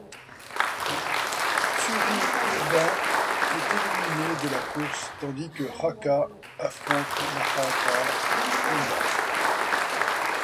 Txuri Urdin est éliminée de la course tandis que Jaca affronte Majadahonda.